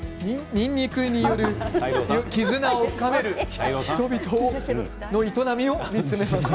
にんにくで絆を深める人々の営みを見つめました。